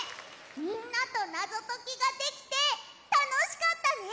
みんなとナゾときができてたのしかったね！